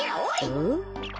うん？